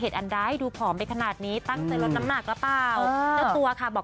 อู้ก็ไม่ได้ตั้งใจลดนะครับ